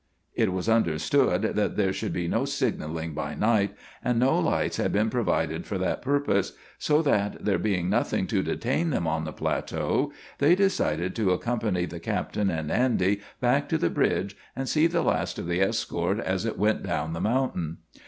It was understood that there should be no signaling by night, and no lights had been provided for that purpose; so that, there being nothing to detain them on the plateau, they decided to accompany the captain and Andy back to the bridge and see the last of the escort as it went down the mountain.